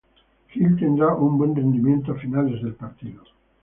Gil tendría un buen rendimiento a final del partido.